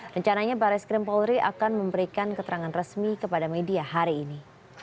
rencananya baris krim polri akan memberikan keterangan resmi kepada media hari ini